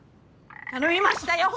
頼みましたよ！